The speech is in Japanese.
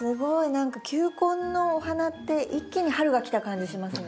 何か球根のお花って一気に春が来た感じしますね。